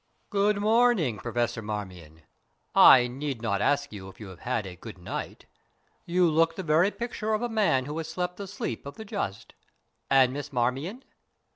"Good morning, Professor Marmion! I need not ask you if you have had a good night. You look the very picture of a man who has slept the sleep of the just. And Miss Marmion?"